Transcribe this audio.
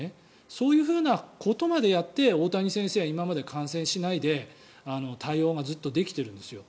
そういうふうなことまでやって大谷先生は今まで感染しないで対応がずっとできているんですよ。